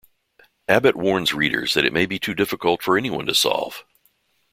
Abbott warns readers that it may be too difficult for anyone to solve.